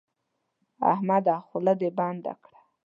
احمده خوله دې بنده کړه.